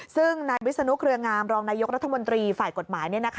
ซึ่งนายวิศนุเครืองามรองนายกรัฐมนตรีฝ่ายกฎหมาย